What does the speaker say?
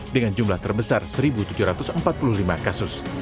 dengan jumlah terbesar satu tujuh ratus empat puluh lima kasus